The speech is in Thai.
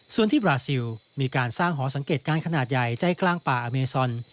ส่วนที่บราซิลมีการสร้างหอสังเกตการณ์ขนาดใหญ่ใจกลางป่าอเมซอน